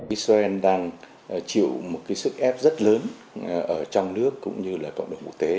israel đang chịu một cái sức ép rất lớn ở trong nước cũng như là cộng đồng quốc tế